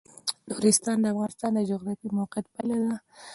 نورستان د افغانستان د جغرافیایي موقیعت پایله ده.